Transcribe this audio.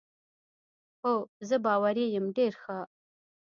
هو، زه باوري یم، ډېر ښه.